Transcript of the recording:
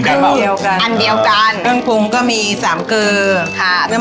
เหมือนกันเปล่าหรออันเดียวกันเครื่องปรุงก็มีสามเกลือค่ะ